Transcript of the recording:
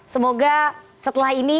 semoga setelah ini